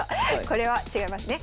これは違いますね。